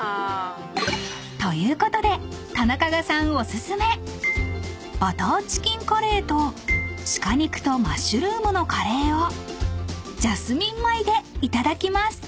［ということでタナカガさんお薦めバターチキンカレーと鹿肉とマッシュルームのカレーをジャスミン米でいただきます］